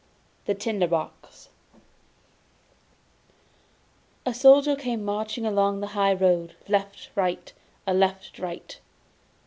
THE TINDER BOX A soldier came marching along the high road left, right! A left, right!